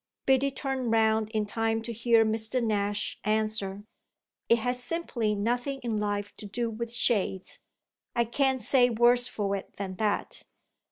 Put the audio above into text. Biddy turned round in time to hear Mr. Nash answer: "It has simply nothing in life to do with shades! I can't say worse for it than that."